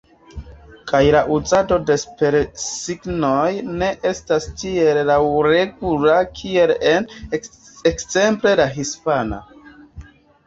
Kaj la uzado de supersignoj ne estas tiel laŭregula kiel en, ekzemple, la hispana.